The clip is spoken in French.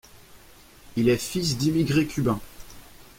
Il est fils d'immigré cubain.